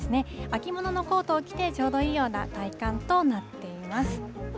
秋物のコートを着て、ちょうどいいような体感となっています。